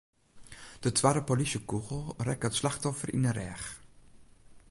De twadde polysjekûgel rekke it slachtoffer yn 'e rêch.